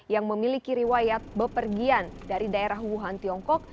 yang memiliki riwayat bepergian dari daerah wuhan tiongkok